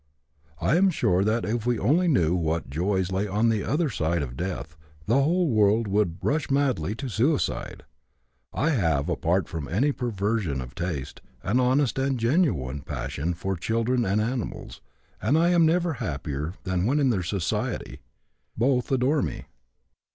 I am sure that if we only knew what joys lay on the other side of death, the whole world would rush madly to suicide. I have, apart from any perversion of taste, an honest and genuine passion for children and animals, and I am never happier than when in their society. Both adore me.